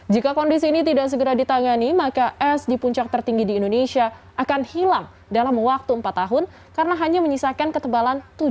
jika kondisi ini tidak segera ditangani maka es di puncak tertinggi di indonesia akan hilang dalam waktu empat tahun karena hanya menyisakan ketebalan